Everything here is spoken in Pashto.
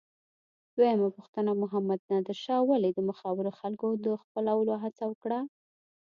دویمه پوښتنه: محمد نادر شاه ولې د مخورو خلکو خپلولو هڅه وکړه؟